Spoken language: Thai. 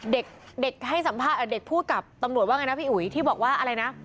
เด็กเด็กให้สัมภาษณ์เด็กพูดกับตำรวจว่าไงนะพี่อุ๋ยที่บอกว่าอะไรนะ